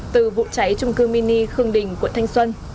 từ vụ cháy trung cư mini khương đình quận thanh xuân